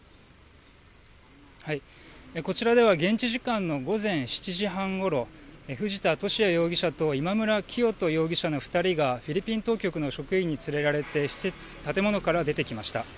こちらでは現地時間の午前７時半ごろ藤田聖也容疑者と今村磨人容疑者の２人がフィリピン当局の職員に連れられて建物から出てきました。